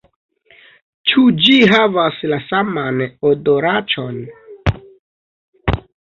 - Ĉu ĝi havas la saman odoraĉon?